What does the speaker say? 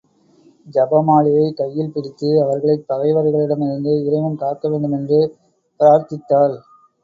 ஜப மாலையைக் கையில் பிடித்து, அவர்களைப் பகைவர்களிடமிருந்து இறைவன் காக்க வேண்டுமென்று பிரார்த்தித்தாள்.